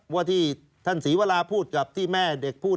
ว่าที่ท่านศรีวราพูดกับที่แม่เด็กพูด